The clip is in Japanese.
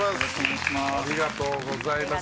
ありがとうございます。